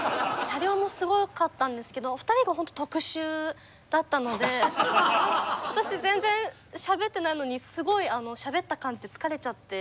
車両もすごかったんですけど２人が本当特殊だったので私全然しゃべってないのにすごいしゃべった感じで疲れちゃって。